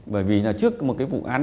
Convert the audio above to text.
bởi vì trước một cái vụ án